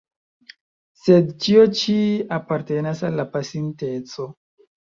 Sed ĉio ĉi apartenas al la pasinteco.